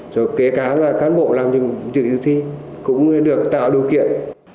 rồi kể cả là cán bộ làm dự thi cũng được tạo điều kiện